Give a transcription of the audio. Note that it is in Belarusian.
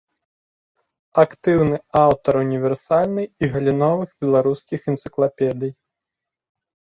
Актыўны аўтар універсальнай і галіновых беларускіх энцыклапедый.